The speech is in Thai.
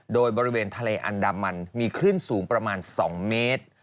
โดยบริเวณทะเลอันดามันมีคลื่นสูงประมาณ๒เมตร